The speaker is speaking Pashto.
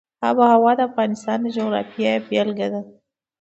آب وهوا د افغانستان د جغرافیې بېلګه ده.